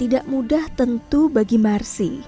tidak mudah tentu bagi marsi